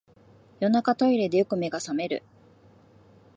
夜中、トイレでよく目が覚める